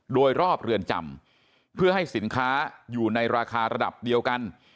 โดยรอบเรือนจำเพื่อให้สินค้าอยู่ในราคาระดับเดียวกัน